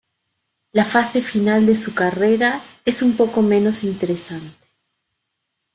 La fase final de su carrera es un poco menos interesante.